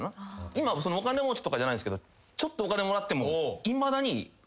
今もお金持ちとかじゃないんすけどちょっとお金もらっても。